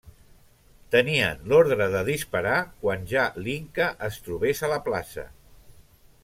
Tenien l'ordre de disparar quan ja l'inca, es trobés a la plaça.